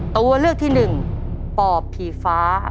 ตัวเลือกที่หนึ่งปอบผีฟ้า